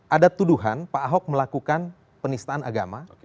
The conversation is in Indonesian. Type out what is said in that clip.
ada tuduhan pak ahok melakukan penistaan agama